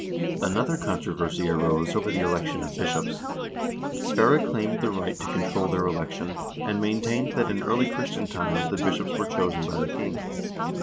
Another controversy arose over the election of bishops. Sverre claimed the right to control their election, and maintained that in early Christian times the bishops were chosen by the king.